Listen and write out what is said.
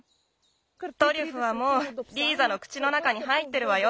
トリュフはもうリーザの口の中に入ってるわよ。